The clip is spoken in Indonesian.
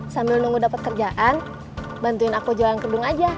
sambil nunggu dapat kerjaan bantuin aku jualan kerdung aja